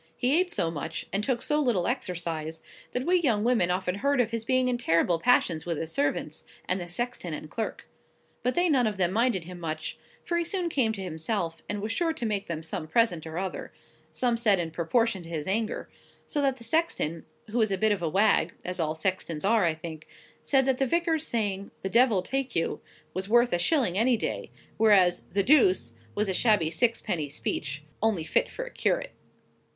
He ate so much, and took so little exercise, that we young women often heard of his being in terrible passions with his servants, and the sexton and clerk. But they none of them minded him much, for he soon came to himself, and was sure to make them some present or other—some said in proportion to his anger; so that the sexton, who was a bit of a wag (as all sextons are, I think), said that the vicar's saying, "The Devil take you," was worth a shilling any day, whereas "The Deuce" was a shabby sixpenny speech, only fit for a curate.